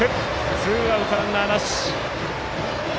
ツーアウト、ランナーなし。